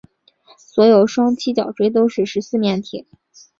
所有双七角锥都是十四面体。